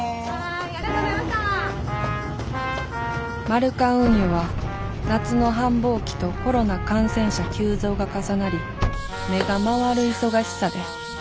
マルカ運輸は夏の繁忙期とコロナ感染者急増が重なり目が回る忙しさで。